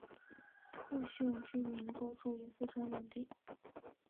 兔姓居民多住于四川等地。